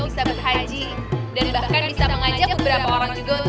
bisa berhaji dan bahkan bisa mengajak beberapa orang juga untuk